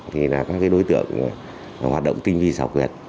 thì là các đối tượng hoạt động tinh vi xảo quyệt